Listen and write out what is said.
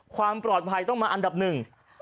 ความปลอดภัยต้องมาอันดับหนึ่ง